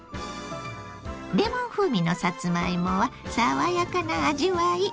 レモン風味のさつまいもは爽やかな味わい。